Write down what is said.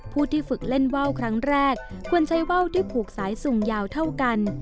ผู้ที่ฝึกเล่นว่าวครั้งแรกควรใช้ว่าวที่ผูกสายสุ่มยาวเท่ากัน